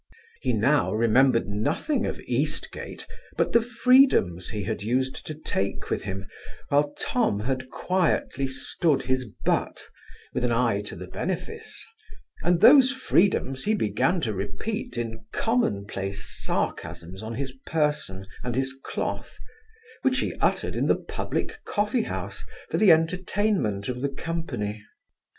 He now remembered nothing of Eastgate, but the freedoms he had used to take with him, while Tom had quietly stood his butt, with an eye to the benefice; and those freedoms he began to repeat in common place sarcasms on his person and his cloth, which he uttered in the public coffeehouse, for the entertainment of the company.